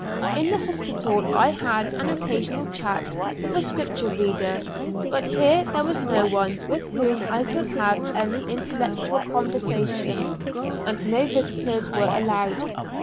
In the hospital I had an occasional chat with a Scripture reader, but here there was no one with whom I could have any intellectual conversation, and no visitors were allowed.